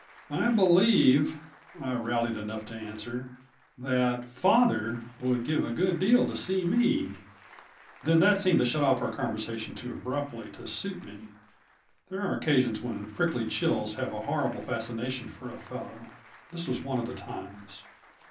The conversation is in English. "I believe," I rallied enough to answer, "that 'father' would give a good deal to see me." Then that seemed to shut off our conversation too abruptly to suit me; there are occasions when prickly chills have a horrible fascination for a fellow; this was one of the times.